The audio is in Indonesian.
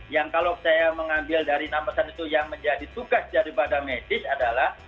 yang kalau saya mengambil dari enam pesan itu yang menjadi tugas daripada medis adalah